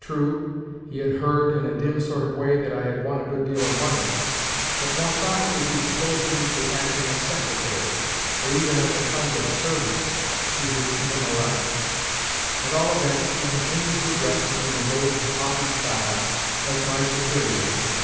True, he had heard, in a dim sort of way, that I had won a good deal of money; but more probably he supposed me to be acting as secretary—or even as a kind of servant—to his inamorata. At all events, he continued to address me, in his old haughty style, as my superior.